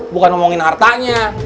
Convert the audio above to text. bukan omongin hartanya